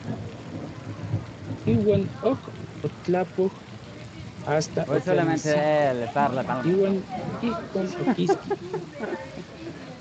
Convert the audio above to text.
Iuan ok otlapoj asta otlanesiko; iuan ijkon okiski.